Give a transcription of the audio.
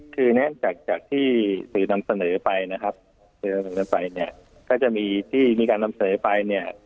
คือแน่นจากที่สื่อทำเสนอไปนะครับก็จะมีที่มีการทำเสนอไปเนี่ย